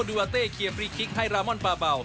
ดูอาเต้เคลียร์ฟรีคิกให้รามอนปาเบา